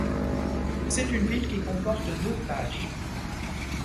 C'est une ville qui comporte deux plages.